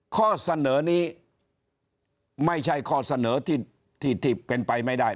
ข้อเสนอนี้ไม่ใช่ข้อเสนอที่เป็นไปไม่ได้